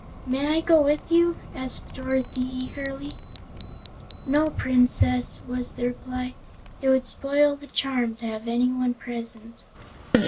"May I go with you?" asked Dorothy, eagerly. "No, Princess," was the reply. "It would spoil the charm to have anyone present."